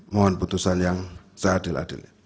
mohon putusan yang seadil adilnya